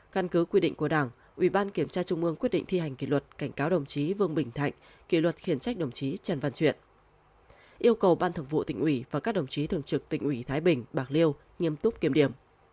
căn cứ quy định của đảng ủy ban kiểm tra trung ương quyết định thi hành kỷ luật cảnh cáo đồng chí vương bình thạnh kỷ luật khiển trách đồng chí trần văn chuyện yêu cầu ban thường vụ tỉnh ủy và các đồng chí thường trực tỉnh ủy thái bình bạc liêu nghiêm túc kiểm điểm